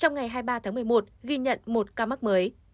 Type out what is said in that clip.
trong ngày hai mươi ba tháng một mươi một ghi nhận một ca mắc mới